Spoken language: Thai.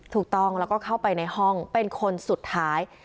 ถูกต้องแล้วก็เข้าไปในห้องเป็นคนสุดท้าย